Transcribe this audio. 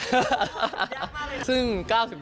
ขักสร้างครับ